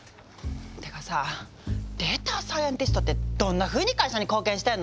てかさデータサイエンティストってどんなふうに会社に貢献してんの？